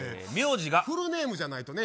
フルネームじゃないとね。